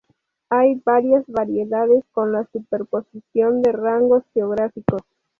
Hay varias variedades con la superposición de rangos geográficos.